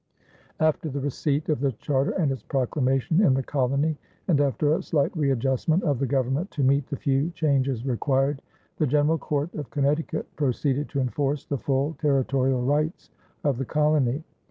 After the receipt of the charter and its proclamation in the colony and after a slight readjustment of the government to meet the few changes required, the general court of Connecticut proceeded to enforce the full territorial rights of the colony.